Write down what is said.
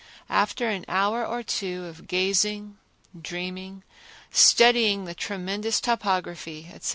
After an hour or two of gazing, dreaming, studying the tremendous topography, etc.